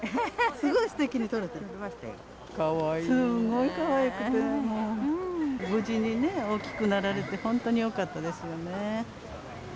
すごいかわいくて、無事に大きくなられて、本当によかったですよね。